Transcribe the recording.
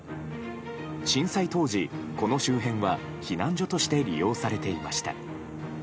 震災当時、この周辺は避難所として利用されていました。